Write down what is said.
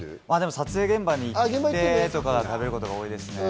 撮影現場に行って食べることが多いですね。